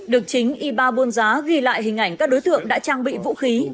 được chính y ba buôn giá ghi lại hình ảnh các đối tượng đã trang bị vũ khí